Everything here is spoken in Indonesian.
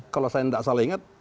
kalau saya tidak salah ingat